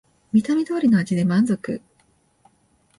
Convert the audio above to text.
見た目通りの味で満足